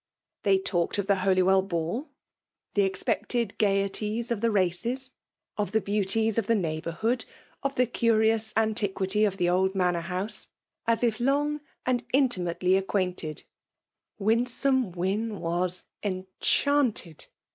They talked of the Holywell ball, of the expected gaieties ^ the races, of the beauties of the neighbour^ hood, of the curious antiquity of the old manor house, as if long and intimately ac^ S^M ALK DOW IJiXTtOH. 261 quainted. Winsome Wyn was enchanted